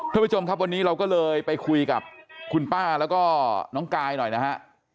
ทุกผู้ชมครับวันนี้เราก็เลยไปคุยกับคุณป้าแล้วก็น้องกายหน่อยนะฮะ